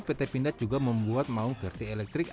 pt pindad juga membuat maung versi elektrik